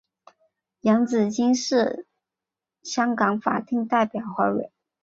洋紫荆是香港法定代表花卉。